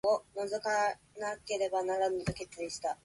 睡眠は大事